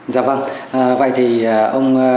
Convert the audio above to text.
dạ vâng vậy thì ông